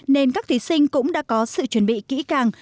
nên các thí sinh cũng đã có sự chuẩn bị kỹ càng